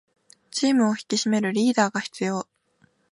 チームを引き締めるリーダーが必要